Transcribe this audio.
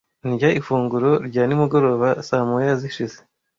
Ndya ifunguro rya nimugoroba saa moya zishize.